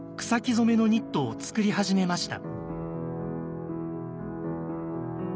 染めのニットを作り始めました。